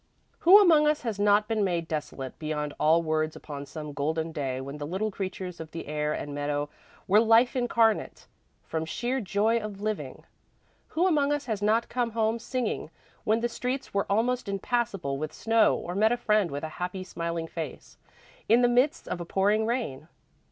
Who among us has not been made desolate beyond all words upon some golden day when the little creatures of the air and meadow were life incarnate, from sheer joy of living? Who among us has not come home, singing, when the streets were almost impassable with snow, or met a friend with a happy, smiling face, in the midst of a pouring rain?